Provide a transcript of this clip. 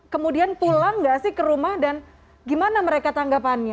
kemudian pulang gak sih ke rumah dan gimana mereka tanggapannya